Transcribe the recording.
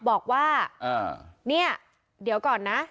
บอกว่าเดี๋ยวก่อนนะ